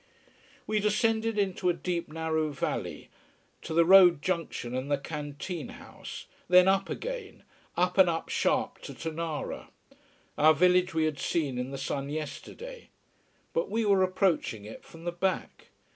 We descended into a deep, narrow valley to the road junction and the canteen house, then up again, up and up sharp to Tonara, our village we had seen in the sun yesterday. But we were approaching it from the back.